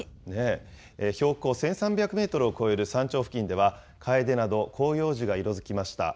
標高１３００メートルを超える山頂付近では、カエデなど広葉樹が色づきました。